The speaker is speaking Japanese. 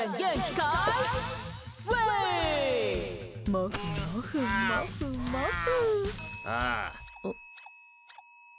もふもふ、もふもふ。